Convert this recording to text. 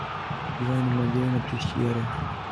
Zbývá jenom naděje na příští jaro.